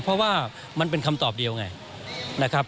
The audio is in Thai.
เพราะว่ามันเป็นคำตอบเดียวไงนะครับ